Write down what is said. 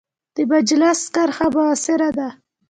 د مجلس کرښه مؤثره ده.